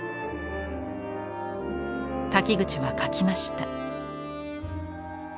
瀧口は書きました。